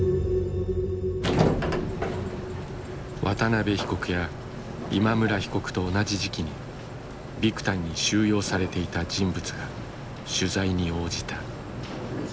渡邉被告や今村被告と同じ時期にビクタンに収容されていた人物が取材に応じた。